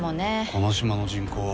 この島の人口は。